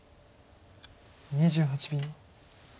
２８秒。